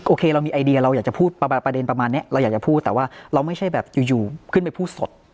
โอเคเรามีไอเดียเราอยากจะพูดประเด็นประมาณนี้เราอยากจะพูดแต่ว่าเราไม่ใช่แบบอยู่ขึ้นไปพูดสด